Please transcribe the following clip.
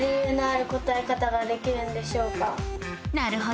なるほど！